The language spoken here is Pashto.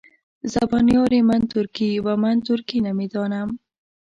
زبان یار من ترکي ومن ترکي نمیدانم.